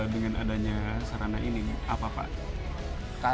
dengan adanya sarana ini apa pak